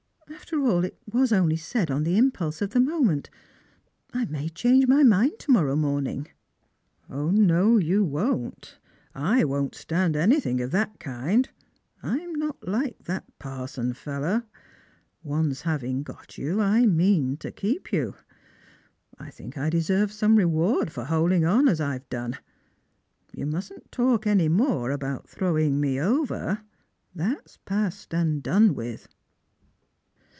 After all, it was only said on the impulse of the moment. I may change my mind to morrow morning." " no, you won't. I won't stand anything of that kind. I am not hke that parson fellow. Once having got you, I mean to keep you. I think I deserve some reward for holding on as I've done. You mustn't talk any more about throwing me over; that's past and done with."